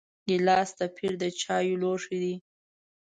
ګیلاس د پیر د چایو لوښی دی.